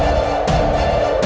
aku akan menikah denganmu